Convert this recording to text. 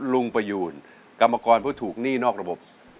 ประยูนกรรมกรผู้ถูกหนี้นอกระบบ